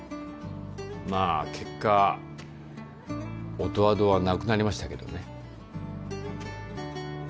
まあ結果音羽堂はなくなりましたけどね